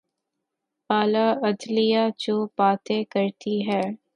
اعلی عدلیہ جو باتیں کرتی ہے۔